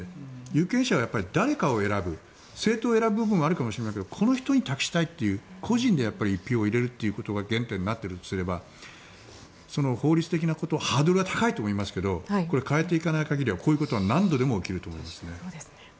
有権者は誰かを選ぶ政党を選ぶ部分はあるかもしれないけどこの人に託したいという個人に１票を入れるのが原点となっているとすれば法律的なことはハードルが高いかもしれませんがこれ、変えていかない限りこういうことは何度も起きると思いますね。